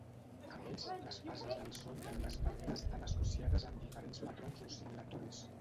A més, les fases del son i el despertar estan associades amb diferents patrons oscil·latoris.